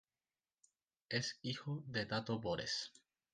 Es hijo de Tato Bores.